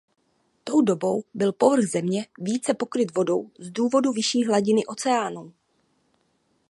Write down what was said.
Tou dobou byl povrch Země více pokryt vodou z důvodu vyšší hladiny oceánu.